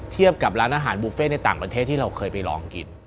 เทียบกับร้านอาหารบุฟเฟ่ในต่างประเทศที่เราเคยไปลองกิน